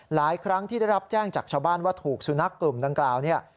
หลายครั้งที่ได้รับแจ้งจากชาวบ้านว่าถูกสุนัขกลุ่มดังกล่าวเนี่ย